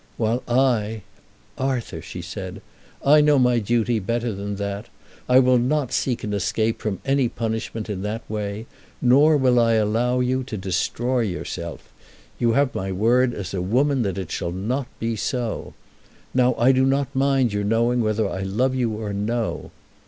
While I Arthur," she said, "I know my duty better than that. I will not seek an escape from my punishment in that way, nor will I allow you to destroy yourself. You have my word as a woman that it shall not be so. Now I do not mind your knowing whether I love you or no."